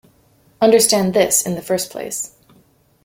Understand this in the first place.